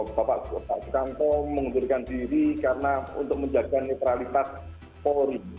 bapak sukanto mengundurkan diri karena untuk menjaga netralitas polri